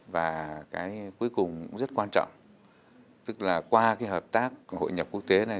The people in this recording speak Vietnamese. và cái cuối cùng rất quan trọng tức là qua hợp tác hội nhập quốc tế này